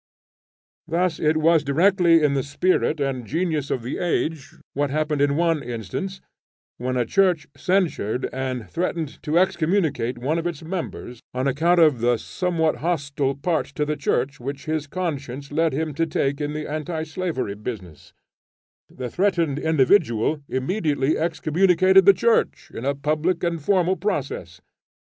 Thus it was directly in the spirit and genius of the age, what happened in one instance when a church censured and threatened to excommunicate one of its members on account of the somewhat hostile part to the church which his conscience led him to take in the anti slavery business; the threatened individual immediately excommunicated the church in a public and formal process.